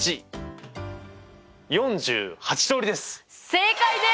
正解です！